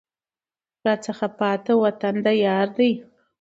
راڅخه پاته وطن د یار دی